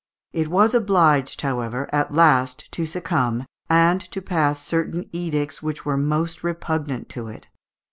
It was obliged, however, at last to succumb, and to pass certain edicts which were most repugnant to it.